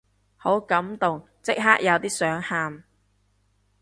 好感動，即刻有啲想喊